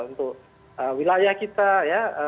untuk wilayah kita ya